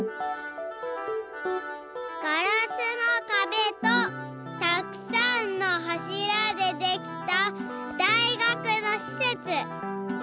ガラスのかべとたくさんのはしらでできた大学のしせつ。